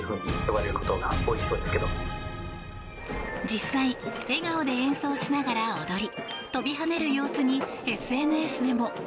実際、笑顔で演奏しながら踊り飛び跳ねる様子にＳＮＳでも。